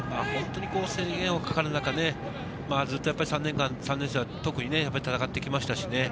制限がかかる中でずっと３年間、３年生は特に戦ってきましたしね。